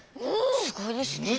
すごいですね。